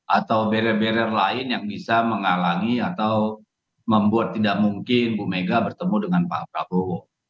atau barrier barrier lain yang bisa menghalangi atau membuat tidak mungkin bu mega bertemu dengan pak prabowo